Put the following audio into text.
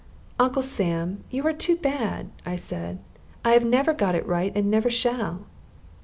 "Uncle Sam, you are too bad," I said. "I have never got it right, and I never shall."